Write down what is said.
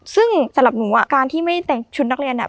ซึ่งสำหรับหนูอ่ะการที่ไม่แต่งชุดนักเรียนอ่ะ